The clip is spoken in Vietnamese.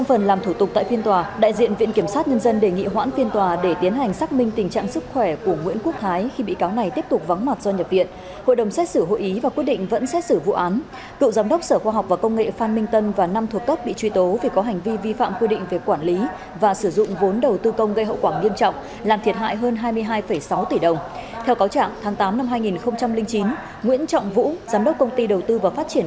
hôm nay tòa án nhân dân thành phố hồ chí minh mở phiên tòa sơ thẩm xét xử vụ án vi phạm quy định về quản lý và sử dụng vốn đầu tư công gây hậu quảng nghiêm trọng xảy ra tại quỹ phát triển khoa học và công nghệ thành phố hồ chí minh